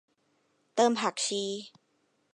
เติมผักชี